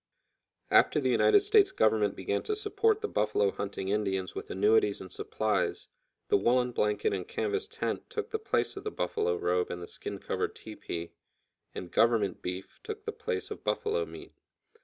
After the United States Government began to support the buffalo hunting Indians with annuities and supplies, the woolen blanket and canvas tent took the place of the buffalo robe and the skin covered teepee, and "Government beef" took the place of buffalo meat.